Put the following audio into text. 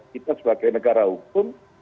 kita sebagai negara hukum